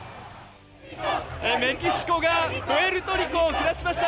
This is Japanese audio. メキシコがプエルトリコを下しました。